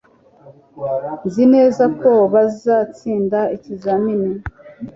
Nzi neza ko bazatsinda ikizamini